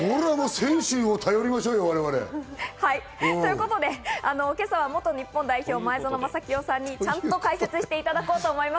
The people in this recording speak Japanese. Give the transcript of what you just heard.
選手を頼りましょうよ、今朝は元日本代表・前園真聖さんにちゃんと解説していただこうと思います。